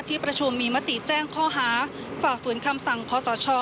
ประชุมมีมติแจ้งข้อหาฝ่าฝืนคำสั่งขอสช